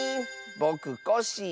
「ぼくコッシー」